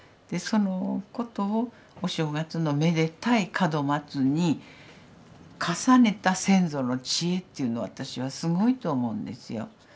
そのことをお正月のめでたい門松に重ねた先祖の知恵というのは私はすごいと思うんですよ。